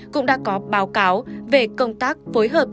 cũng đã có báo cáo về công tác phối hợp